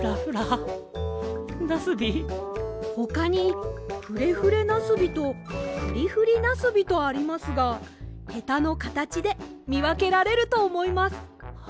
ほかに「フレフレなすび」と「フリフリなすび」とありますがヘタのかたちでみわけられるとおもいます。